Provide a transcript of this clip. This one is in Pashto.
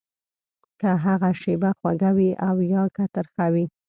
که هغه شېبه خوږه وي او يا که ترخه وي.